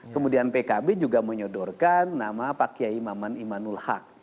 kemudian pkb juga menyodorkan nama pak kiai imaman imanul haq